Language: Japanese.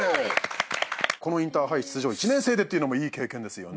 このインターハイ出場１年生でっていうのもいい経験ですよね。